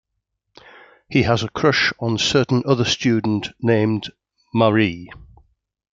He has a crush on certain other student named Marie.